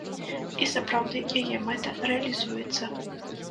І сапраўды, яе мэта рэалізуецца.